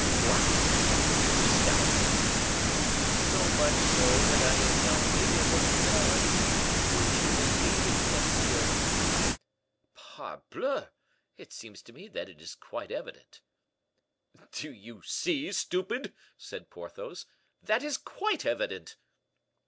"What! you stouter!" "So much so that I am now bigger than the baron. Would you believe it, monsieur?" "Parbleu! it seems to me that is quite evident." "Do you see, stupid?" said Porthos, "that is quite evident!"